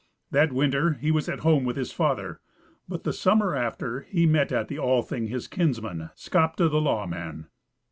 That winter he was at home with his father, but the summer after he met at the Althing his kinsman, Skapti the law man.